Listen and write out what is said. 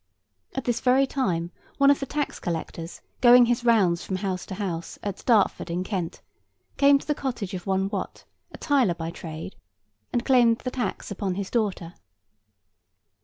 At this very time one of the tax collectors, going his rounds from house to house, at Dartford in Kent came to the cottage of one Wat, a tiler by trade, and claimed the tax upon his daughter.